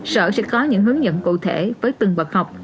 sở sẽ có những hướng dẫn cụ thể với từng bậc học